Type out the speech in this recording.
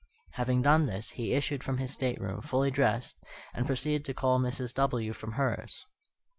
Having done this, he issued from his stateroom, fully dressed, and proceeded to call Mrs. W. from hers.